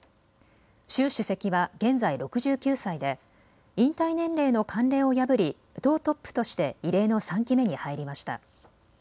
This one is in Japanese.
習主席は現在、６９歳で引退年齢の慣例を破り党トップとして異例の３期目に入りました。